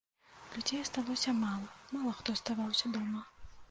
Людзей асталося мала, мала хто аставаўся дома.